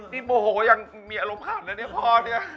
นี่โมโหยังมีอารมณ์ผ่านเลยเนี่ยพ่อเนี่ย